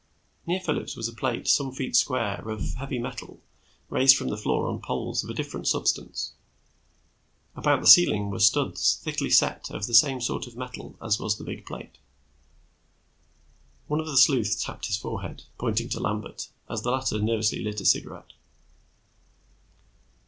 Near Phillips was a plate some feet square, of heavy metal, raised from the floor on poles of a different substance. About the ceiling were studs thickly set of the same sort of metal as was the big plate. One of the sleuths tapped his forehead, pointing to Lambert as the latter nervously lighted a cigarette.